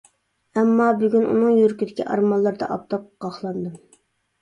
ئەمما بۈگۈن ئۇنىڭ يۈرىكىدىكى ئارمانلىرىدا ئاپتاپقا قاقلاندىم.